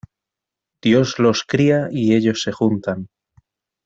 Dios los cría y ellos se juntan.